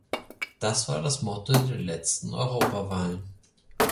Das war das Motto der letzten Europawahlen.